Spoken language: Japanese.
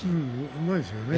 うまいですよね。